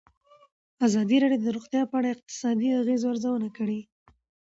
ازادي راډیو د روغتیا په اړه د اقتصادي اغېزو ارزونه کړې.